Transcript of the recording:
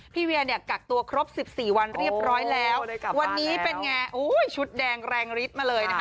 เวียเนี่ยกักตัวครบ๑๔วันเรียบร้อยแล้ววันนี้เป็นไงโอ้ยชุดแดงแรงฤทธิ์มาเลยนะคะ